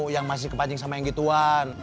yang masih kepancing sama yang gituan